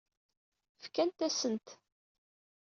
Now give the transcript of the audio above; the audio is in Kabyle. Fkant-asen-t.